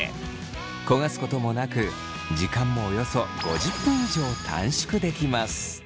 焦がすこともなく時間もおよそ５０分以上短縮できます。